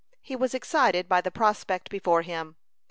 He was excited by the prospect before him.